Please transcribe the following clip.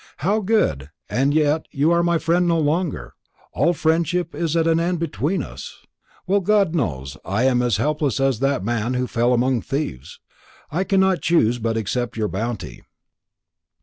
"How good! and yet you are my friend no longer; all friendship is at an end between us. Well, God knows I am as helpless as that man who fell among thieves; I cannot choose but accept your bounty."